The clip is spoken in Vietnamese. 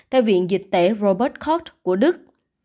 theo viện dịch tễ robert koch của đức